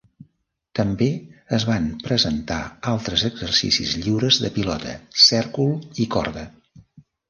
També es van presentar altres exercicis lliures de pilota, cèrcol i corda.